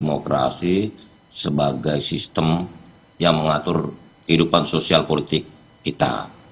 demokrasi sebagai sistem yang mengatur kehidupan sosial politik kita